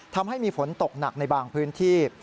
ทำให้มีฝนตกหนักในบางพื้นที่